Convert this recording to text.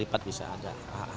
lepat bisa ada